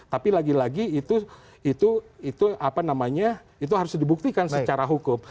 tapi lagi lagi itu harus dibuktikan secara hukum